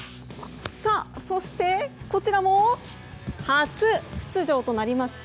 そして、こちらも初出場となります